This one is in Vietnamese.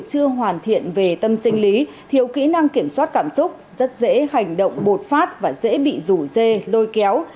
chưa hoàn thiện về tâm sinh lý thiếu kỹ năng kiểm soát cảm xúc rất dễ hành động bột phát và dễ bị rủ dê lôi kéo